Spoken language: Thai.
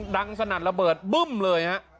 สนัดระเบิดบึ้มเลยฮะ